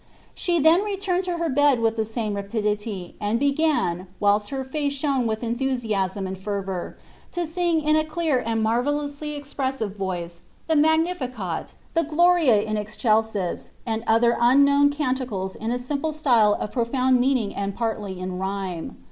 She then returned to her bed with the same rapidity, and began, whilst her face shone with enthusiasm and fer vour, to sing in a clear and marvellously ioo ZTbe ttattoftg of expressive voice the Magnificat, the Gloria in Excelsis, and other unknown canticles in a simple style of profound meaning and partly in rhyme.